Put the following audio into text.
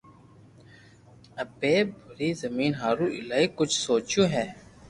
امي پري زبين ھارون ايلايو ڪجھ سوچيو ھي